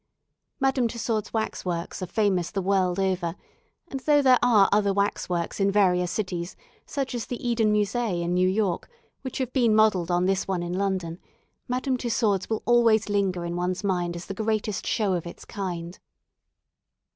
Madame Tussaud's Wax works are famous the world over, and though there are other wax works in various cities, such as the Eden Musée in New York, which have been modelled on this one in London, Madame Tussaud's will always linger in one's mind as the greatest show of its kind.